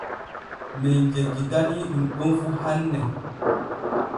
Men jeggitanii ɗun ɗon fu hanne.